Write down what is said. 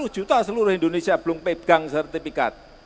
sepuluh juta seluruh indonesia belum pegang sertifikat